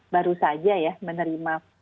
baru saja menerima